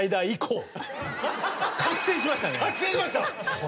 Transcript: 覚醒しました。